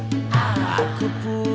kum atuh kum atuh